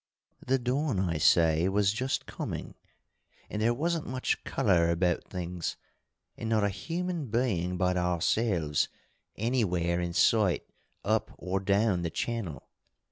"The dawn, I say, was just coming, and there wasn't much colour about things, and not a human being but ourselves anywhere in sight up or down the channel.